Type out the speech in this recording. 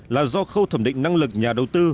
là do khâu thẩm định năng lực nhà đầu tư